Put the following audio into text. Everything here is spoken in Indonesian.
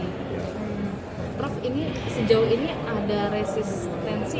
prof ini sejauh ini ada resistensi